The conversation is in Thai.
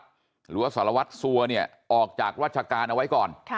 หรือว่าสารวัตรสัวเนี่ยออกจากราชการเอาไว้ก่อน